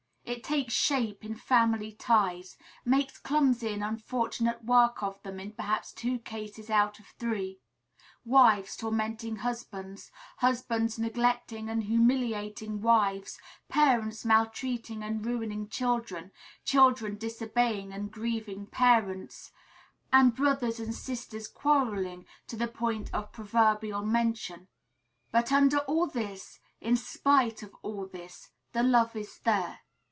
It takes shape in family ties: makes clumsy and unfortunate work of them in perhaps two cases out of three, wives tormenting husbands, husbands neglecting and humiliating wives, parents maltreating and ruining children, children disobeying and grieving parents, and brothers and sisters quarrelling to the point of proverbial mention; but under all this, in spite of all this, the love is there.